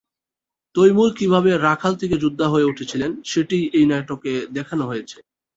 তৈমুর কিভাবে রাখাল থেকে যোদ্ধা হয়ে উঠেছিলেন, সেটিই এই নাটকে দেখানো হয়েছে।